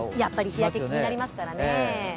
日焼け、気になりますからね。